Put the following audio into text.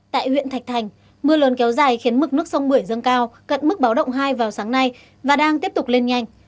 tại huyện thạch thành mưa lớn kéo dài khiến mực nước sông bưởi dâng cao cận mức báo động hai vào sáng nay và đang tiếp tục lên nhanh